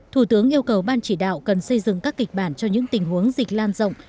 thủ tướng yêu cầu ban chỉ đạo cần xây dựng các kịch bản cho những tình huống dịch lan rộng